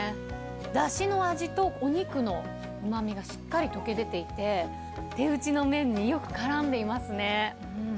だしの味とお肉のうまみがしっかり溶け出ていて、手打ちの麺によ